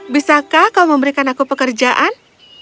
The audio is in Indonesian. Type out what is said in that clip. bisakah kau memberikan aku pekerjaan